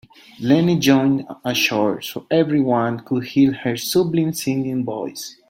Leanne joined a choir so everyone could hear her sublime singing voice.